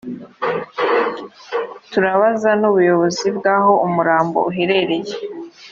turabaza n’ubuyobozi bw’aho umurambo uherereye